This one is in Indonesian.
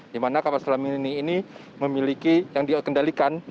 di mana kapal selam ini memiliki yang dikendalikan